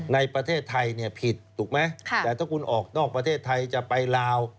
ในประเทศไทยเนี่ยผิดถูกไหมแต่ถ้าคุณออกนอกประเทศไทยจะไปลาว